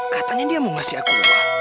katanya dia mau ngasih aku